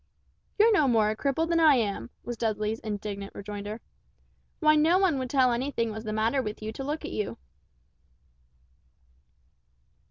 "You're no more a cripple than I am," was Dudley's indignant rejoinder, "why no one would tell anything was the matter with you to look at you."